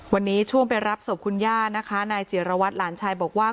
วันนี้ช่วงไปรับศพคุณย่านะคะนายจิรวัตรหลานชายบอกว่า